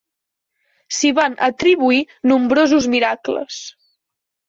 S'hi van atribuir nombrosos miracles.